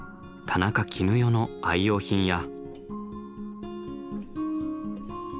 田中絹代の愛用品や。